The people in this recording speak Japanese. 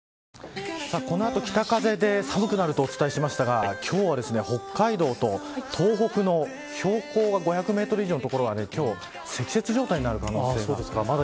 この後北風で寒くなるとお伝えしましたが今日は、北海道と東北の標高が５００メートル以上の所は積雪状態になる可能性が。